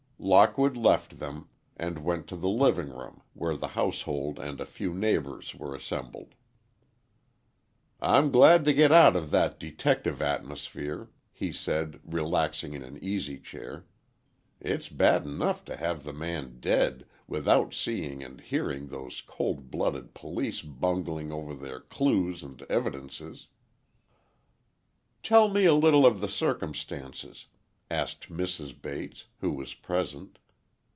Lockwood left them, and went to the living room where the household and a few neighbors were assembled. "I'm glad to get out of that detective atmosphere," he said, relaxing in an easy chair. "It's bad enough to have the man dead, without seeing and hearing those cold blooded police bungling over their 'clues' and 'evidences.'" "Tell me a little of the circumstances," asked Mrs. Bates, who was present.